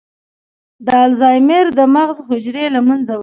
د الزایمر د مغز حجرې له منځه وړي.